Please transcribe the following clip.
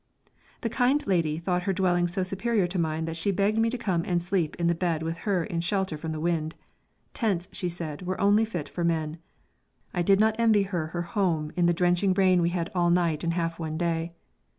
The kind lady thought her dwelling so superior to mine that she begged me to come and sleep in the bed with her in shelter from the wind; tents, she said, were only fit for men. I did not envy her her home in the drenching rain we had all night and half one day.